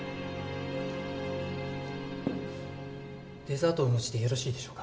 デザートをお持ちしてよろしいでしょうか？